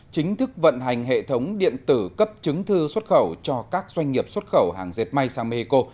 chính thức vận hành hệ thống điện tử cấp chứng thư xuất khẩu cho các doanh nghiệp xuất khẩu hàng dệt may sang mexico